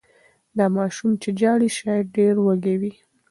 دا ماشوم چې ژاړي شاید ډېر وږی وي.